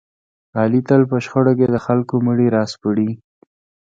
علي تل په شخړو کې د خلکو مړي را سپړي.